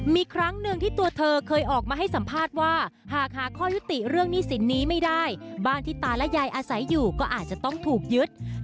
มีครั้งหนึ่งที่ตัวเธอเคยออกมาให้สัมภาษณ์ว่าหากหาข้อยุติเรื่องหนี้สินนี้ไม่ได้บ้านที่ตาและยายอาศัยอยู่ก็อาจจะต้องถูกยึด